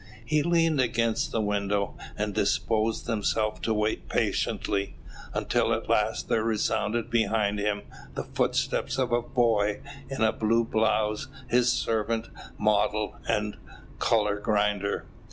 He leaned against the window, and disposed himself to wait patiently, until at last there resounded behind him the footsteps of a boy in a blue blouse, his servant, model, and colour grinder.